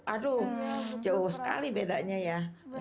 aduh jauh sekali bedanya ya